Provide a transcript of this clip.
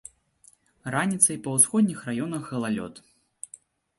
Раніцай па ўсходніх раёнах галалёд.